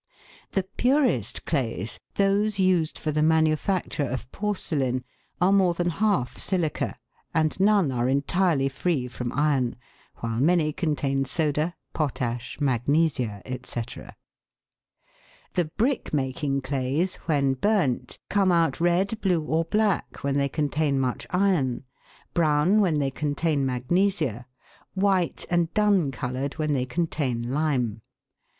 The purest clays those used for the manufacture of porcelain are more than half silica, and none are entirely free from iron, while many contain soda, potash, mag nesia, &c. The brick making clays when burnt come out red, blue, or black, when they contain much iron, brown when they contain magnesia, white and dun coloured when they con tain lime.